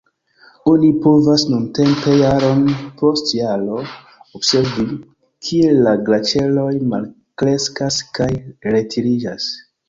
Oni povas nuntempe jaron post jaro observi, kiel la glaĉeroj malkreskas kaj retiriĝas.